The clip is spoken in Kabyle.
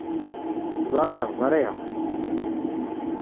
Zriɣ…Zriɣ…